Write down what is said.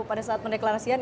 pada saat mendeklarasian